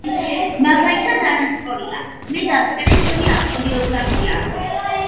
მაგალითად, არასწორია: მე დავწერე ჩემი ავტობიოგრაფია.